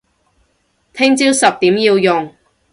聽朝十點要用